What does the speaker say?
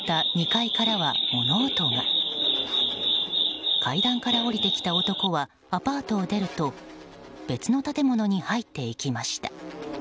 階段から降りてきた男はアパートを出ると別の建物に入っていきました。